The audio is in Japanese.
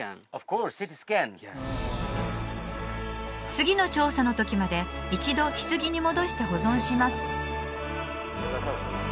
次の調査のときまで一度棺に戻して保存します